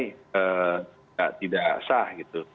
menilai tidak syah